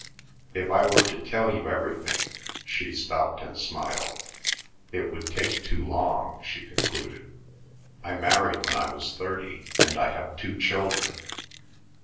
"If I were to tell you everything—" she stopped and smiled. "It would take too long," she concluded. "I married when I was thirty, and I have two children.